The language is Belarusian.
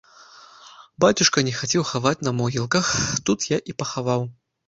Бацюшка не хацеў хаваць на могілках, тут я і пахаваў.